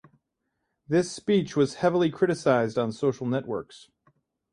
This speech was heavily criticized on social networks.